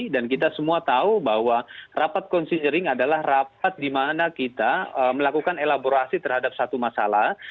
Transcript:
dan kita semua tahu bahwa rapat considering adalah rapat di mana kita melakukan elaborasi terhadap satu masalah